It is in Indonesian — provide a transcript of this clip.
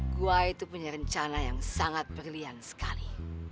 gua itu punya rencana yang sangat berlian sekali